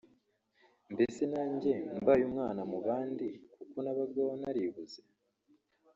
mbese nanjye mbaye umwana mu bandi kuko nabagaho naribuze